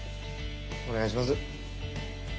お願いします。